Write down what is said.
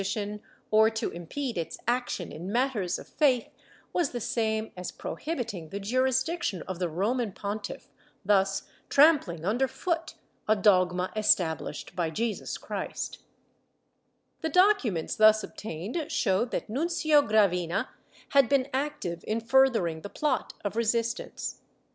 I] RESISTANCE OF THE CLERGY 417 or to impede its action in matters of faith was the same as prohibit ing the jurisdiction of tlie Roman Pontiff, tlius tramphng under foot a dogma estabhslied by Jesus Christ/ The documents thus ol^tained showed that Nuncio Gravina had been active in furthering the plot of resistance.